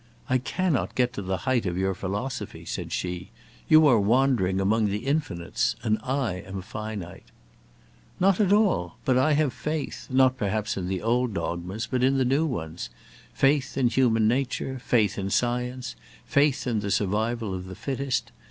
"I cannot get to the height of your philosophy," said she. "You are wandering among the infinites, and I am finite." "Not at all! But I have faith; not perhaps in the old dogmas, but in the new ones; faith in human nature; faith in science; faith in the survival of the fittest.